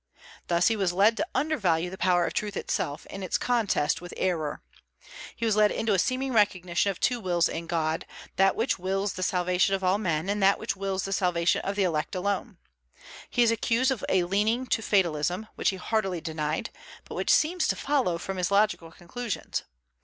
Thus he was led to undervalue the power of truth itself in its contest with error. He was led into a seeming recognition of two wills in God, that which wills the salvation of all men, and that which wills the salvation of the elect alone. He is accused of a leaning to fatalism, which he heartily denied, but which seems to follow from his logical conclusions.